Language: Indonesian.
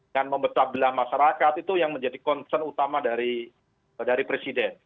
dan memecah belah masyarakat itu yang menjadi konsen utama dari presiden